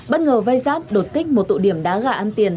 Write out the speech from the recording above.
bất ngờ vây ráp đột kích một tụ điểm đá gà ăn tiền